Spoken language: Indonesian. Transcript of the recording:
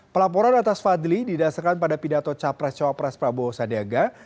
pelaporan atas fadli didasarkan pada pidato capres cawapres prabowo sandiaga